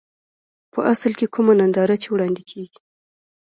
په اصل کې کومه ننداره چې وړاندې کېږي.